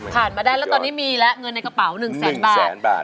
ผ่านมาได้แล้วตอนนี้มีเลยเงินในกระเป๋า๑๐๐๐๐๐บาท